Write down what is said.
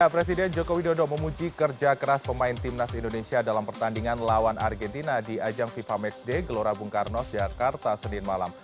presiden joko widodo memuji kerja keras pemain timnas indonesia dalam pertandingan lawan argentina di ajang fifa matchday gelora bung karno jakarta senin malam